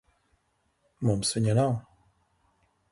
Mums viņa nav.